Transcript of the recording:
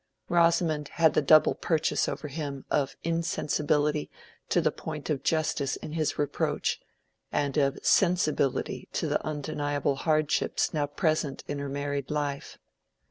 Rosamond had the double purchase over him of insensibility to the point of justice in his reproach, and of sensibility to the undeniable hardships now present in her married life.